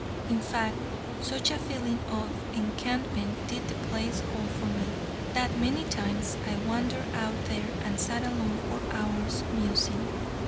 In fact, such a feeling of enchantment did the place hold for me, that many times I wandered out there and sat alone for hours, musing.